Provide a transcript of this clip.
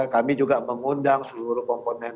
kami juga mengundang seluruh komponen